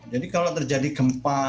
jadi kalau terjadi gempa